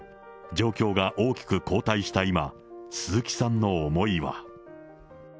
状況が大きく後退した今、鈴木さんの思いは。